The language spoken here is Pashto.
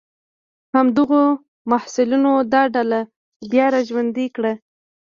همدغو محصلینو دا ډله بیا را ژوندۍ کړه.